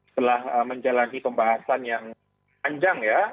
setelah menjalani pembahasan yang panjang ya